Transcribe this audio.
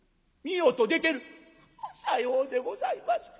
「さようでございますか。